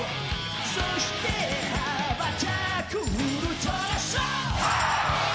「そして羽ばたくウルトラソウル」